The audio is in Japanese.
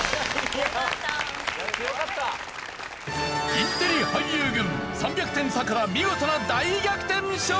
インテリ俳優軍３００点差から見事な大逆転勝利！